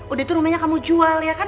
udah tuh rumahnya kamu jual ya kan